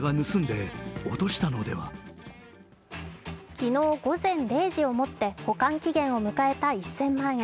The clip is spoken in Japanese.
昨日、午前０時をもって保管期限を迎えた１０００万円。